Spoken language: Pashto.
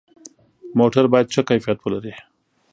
موټر باید ښه کیفیت ولري.